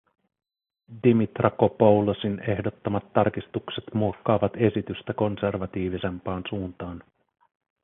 Dimitrakopoulosin ehdottamat tarkistukset muokkaavat esitystä konservatiivisempaan suuntaan.